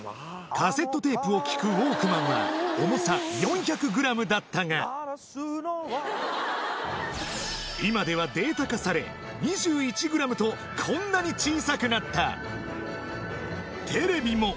カセットテープを聴くウォークマンはだったが今ではデータ化され ２１ｇ とこんなに小さくなったテレビも